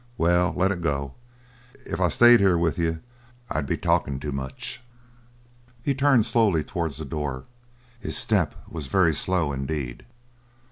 Well, let it go. If I stayed here with you I'd be talkin' too much!" He turned slowly towards the door. His step was very slow indeed.